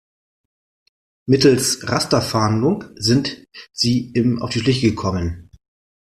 Mittels Rasterfahndung sind sie ihm auf die Schliche gekommen.